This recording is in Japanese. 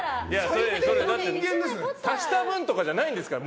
足した分とかじゃないんですから。